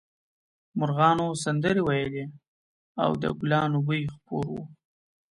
مرغانو سندرې ویلې او د ګلانو بوی خپور و